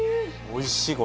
おいしい